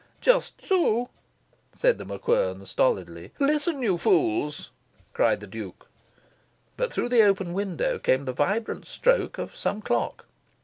"Just so," said The MacQuern, stolidly. "Listen, you fools," cried the Duke. But through the open window came the vibrant stroke of some clock.